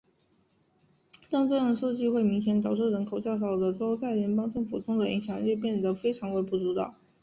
但这样的设计会明显导致人口较少的州在联邦政府中的影响力变得非常微不足道。